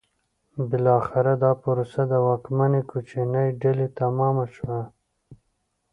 بالاخره دا پروسه د واکمنې کوچنۍ ډلې تمامه شوه.